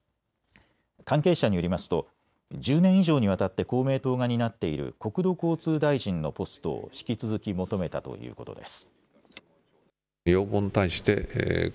関係者によりますと１０年以上にわたって公明党が担っている国土交通大臣のポストを引き続き求めたということです。